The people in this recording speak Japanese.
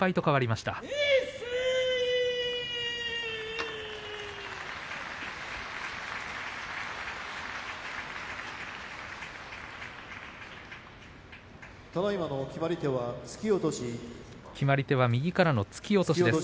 決まり手は右からの突き落としです。